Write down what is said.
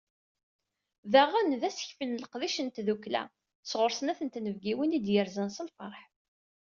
Daɣen d asekfel n leqdic n tdukkla sɣur snat n tnebgiwin i d-yerzan s lferḥ.